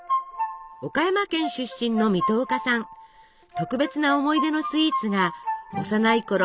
特別な思い出のスイーツが幼いころ